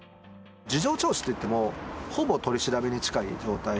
事情聴取といっても、ほぼ取り調べに近い状態。